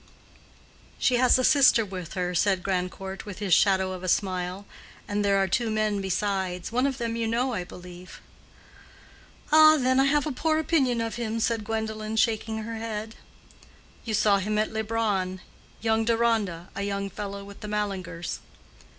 "She has a sister with her," said Grandcourt, with his shadow of a smile, "and there are two men besides—one of them you know, I believe." "Ah, then, I have a poor opinion of him," said Gwendolen, shaking her head. "You saw him at Leubronn—young Deronda—a young fellow with the Mallingers."